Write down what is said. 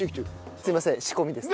すいません仕込みです。